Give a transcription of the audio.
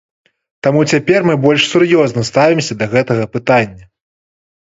Таму цяпер мы больш сур'ёзна ставімся да гэтага пытання.